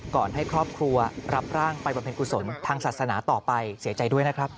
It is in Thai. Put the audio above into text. ให้ครอบครัวรับร่างไปบำเพ็ญกุศลทางศาสนาต่อไปเสียใจด้วยนะครับ